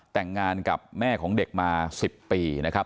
แต่งงานกับแม่ของเด็กมา๑๐ปีนะครับ